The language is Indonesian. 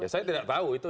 saya tidak tahu